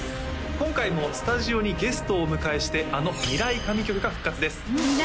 今回もスタジオにゲストをお迎えしてあの未来神曲が復活です未来